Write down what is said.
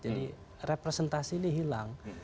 jadi representasi ini hilang